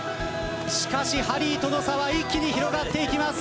しかしハリーとの差は一気に広がっていきます。